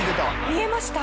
見えました？